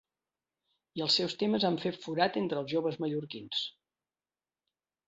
I els seus temes han fet forat entre els joves mallorquins.